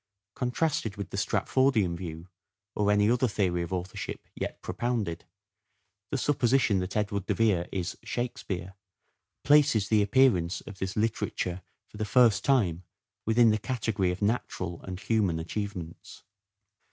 Contrasted with the Stratfordian view or any other theory of authorship yet pro pounded, the supposition that Edward de Vere is " Shakespeare " places the appearance of this literature for the first time within the category of natural and human achievements.